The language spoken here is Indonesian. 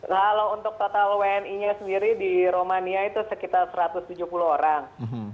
kalau untuk total wni nya sendiri di romania itu sekitar satu ratus tujuh puluh orang